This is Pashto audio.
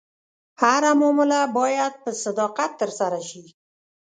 هره معامله باید په صداقت ترسره شي.